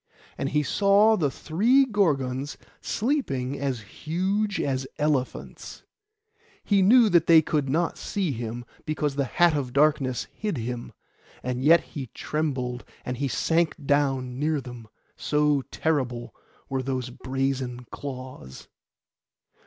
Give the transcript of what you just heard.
And he saw the three Gorgons sleeping as huge as elephants. He knew that they could not see him, because the hat of darkness hid him; and yet he trembled as he sank down near them, so terrible were those brazen claws.